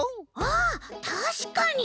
あたしかに！